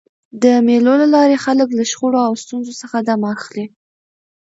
د مېلو له لاري خلک له شخړو او ستونزو څخه دمه اخلي.